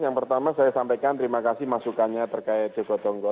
yang pertama saya sampaikan terima kasih masukannya terkait jogotongo